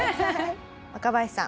若林さん